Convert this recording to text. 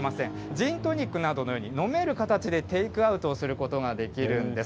ジントニックなどのように飲める形でテイクアウトすることができるんです。